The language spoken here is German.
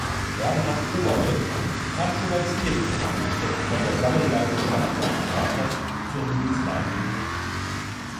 Bernhard Overbeck kam schon als Kind, angesteckt von der Sammelleidenschaft seines Vaters, zur Numismatik.